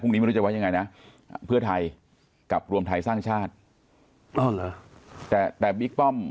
ผมเห็นอยู่สองพักในที่